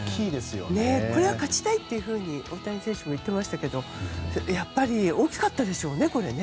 勝ちたいというふうに大谷選手も言ってましたがやっぱり大きかったでしょうね。